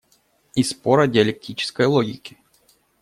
И спор о диалектической логике.